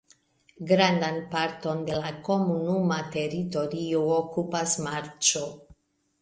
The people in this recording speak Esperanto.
Grandan parton de la komunuma teritorio okupas marĉo.